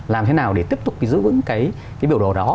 làm thế nào để tiếp tục giữ vững cái biểu đồ đó